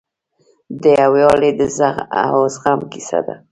د یووالي او زغم کیسه ده.